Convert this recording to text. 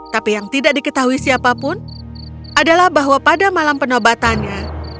tapi yang tidak diketahui siapapun adalah bahwa pada malam penobatannya